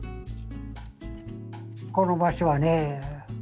この場所はね